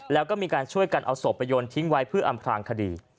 แล้วก็มีการช่วยกันเอาศพไปโยนทิ้งไว้เพื่ออำพลางคดี